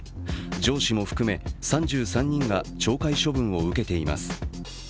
上司も含め３３人が懲戒処分を受けています。